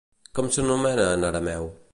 Com s'anomena en arameu?